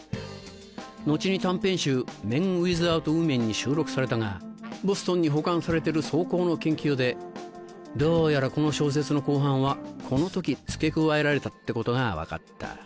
後に短編集『ＭＥＮＷＩＴＨＯＵＴＷＯＭＥＮ』に収録されたがボストンに保管されている草稿の研究でどうやらこの小説の後半はこの時付け加えられたってことが分かった。